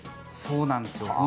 そうなんですよ。